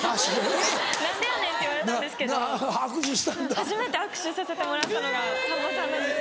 初めて握手させてもらったのがさんまさんなんですよ。